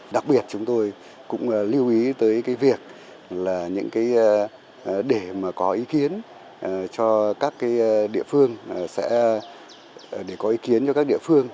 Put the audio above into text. đặc biệt chúng tôi cũng lưu ý tới việc để có ý kiến cho các địa phương